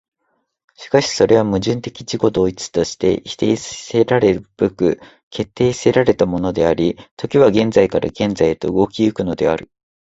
しかしそれは矛盾的自己同一として否定せられるべく決定せられたものであり、時は現在から現在へと動き行くのである。